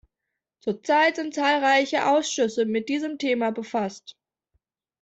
Zurzeit sind zahlreiche Ausschüsse mit diesem Thema befasst.